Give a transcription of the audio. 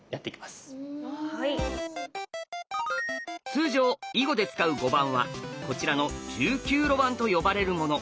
通常囲碁で使う碁盤はこちらの１９路盤と呼ばれるもの。